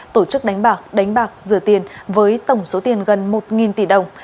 tổ chức đánh bạc đánh bạc rửa tiền với tổng số tiền gần một tỷ đồng